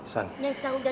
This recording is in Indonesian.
san lu tau tempatnya